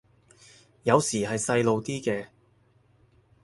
有時係細路啲嘅